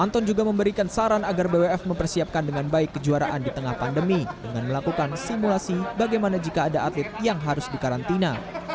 anton juga memberikan saran agar bwf mempersiapkan dengan baik kejuaraan di tengah pandemi dengan melakukan simulasi bagaimana jika ada atlet yang harus dikarantina